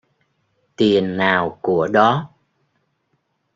Tiền nào của đó